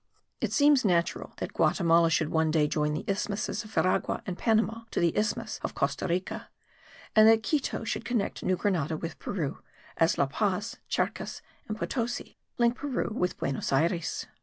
It seems natural that Guatimala should one day join the isthmuses of Veragua and Panama to the isthmus of Costa Rica; and that Quito should connect New Grenada with Peru, as La Paz, Charcas and Potosi link Peru with Buenos Ayres.